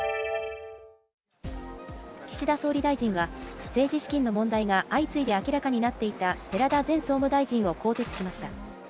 岸田総理大臣は、政治資金の問題が相次いで明らかになっていた寺田前総務大臣を更迭しました。